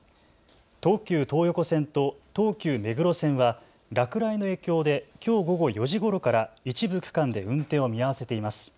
東急東横線と東急目黒線は落雷の影響できょう午後４時ごろから一部区間で運転を見合わせています。